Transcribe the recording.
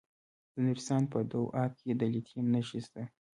د نورستان په دو اب کې د لیتیم نښې شته.